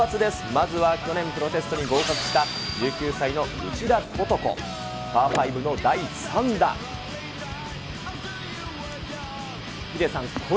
まずは去年、プロテストに合格した１９歳の内田ことこ。